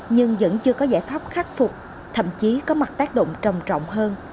nhưng vẫn chưa có giải pháp khắc phục thậm chí có mặt tác động trầm trọng hơn